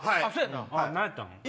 何やったん？